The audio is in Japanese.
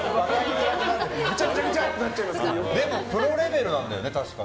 でもプロレベルなんだよね。